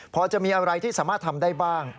พอจะมีอะไรที่สามารถทำได้บ้าง